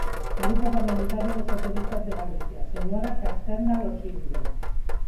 Grupo Parlamentario dos Socialistas de Galicia, señora Castenda Loxilde.